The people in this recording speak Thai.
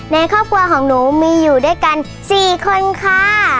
ในครอบครัวของหนูมีอยู่ด้วยกัน๔คนค่ะ